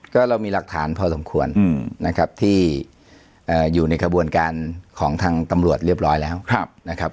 ก็เรามีหลักฐานพอสมควรนะครับที่อยู่ในกระบวนการของทางตำรวจเรียบร้อยแล้วนะครับ